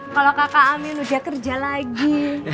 kalau kakak amin udah kerja lagi